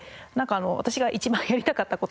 私が一番やりたかった事というか。